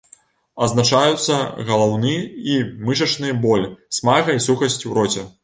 Адзначаюцца галаўны і мышачны боль, смага і сухасць у роце.